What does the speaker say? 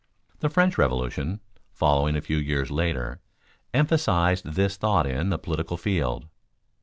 The French Revolution, following a few years later, emphasized this thought in the political field.